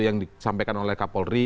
yang disampaikan oleh kapolri